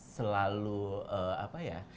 selalu apa ya